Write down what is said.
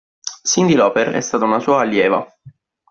Cyndi Lauper è stata una sua allieva.